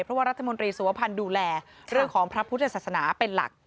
เพราะว่ารัฐมนตรีสุวพันธ์ดูแลเรื่องของพระพุทธศาสนาเป็นหลัก